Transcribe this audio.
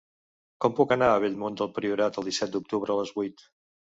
Com puc anar a Bellmunt del Priorat el disset d'octubre a les vuit?